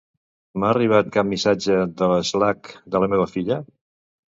M'ha arribat cap missatge d'Slack de la meva filla?